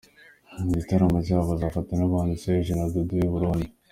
Mu gitaramo cyabo bazafatanya n’abahanzi Serge na Dudu w’i Burundi.